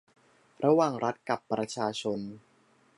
ระหว่างรัฐกับประชาชน